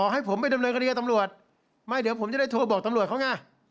ให้ผมไปดำเนินคดีกับตำรวจไม่เดี๋ยวผมจะได้โทรบอกตำรวจเขาไง